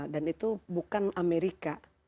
dan itu bukan amerika